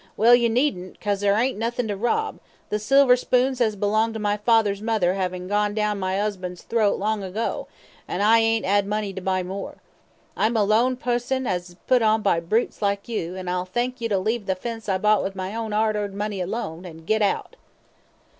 "Well, you needn't, 'cause there ain't nothin' to rob, the silver spoons as belonged to my father's mother 'avin' gone down my 'usband's, throat long ago, an' I ain't 'ad money to buy more. I'm a lone pusson as is put on by brutes like you, an' I'll thank you to leave the fence I bought with my own 'ard earned money alone, and git out."